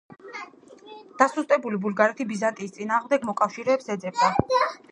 დასუსტებული ბულგარეთი ბიზანტიის წინააღმდეგ მოკავშირეს ეძებდა.